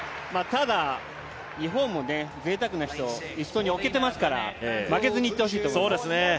ただ、日本もぜいたくな人、１走に置けてますから負けずに行ってほしいと思います。